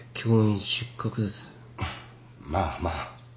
まあまあ。